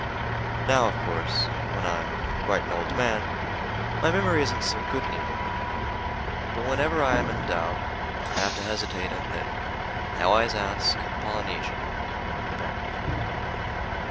Now of course, when I am quite an old man, my memory isn't so good any more. But whenever I am in doubt and have to hesitate and think, I always ask Polynesia, the parrot.